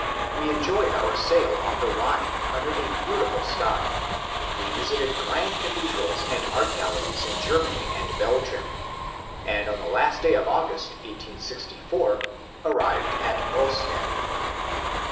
We enjoyed our sail on the Rhine, under a beautiful sky ; we visited grand cathedrals and art galleries in Germany and Belgium ; and on the last day of August (1864) arrived at Ostend.